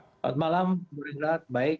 selamat malam baik